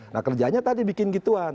nah kerjanya tadi bikin gituan